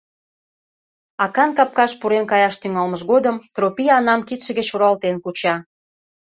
Акан капкаш пурен каяш тӱҥалмыж годым Тропий Анам кидше гыч руалтен куча.